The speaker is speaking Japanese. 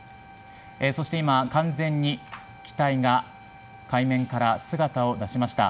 そして今、完全に機体が海面から姿を出しました。